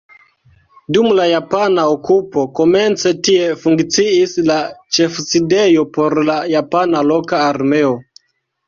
Dum la japana okupo komence tie funkciis la ĉefsidejo por la japana loka armeo.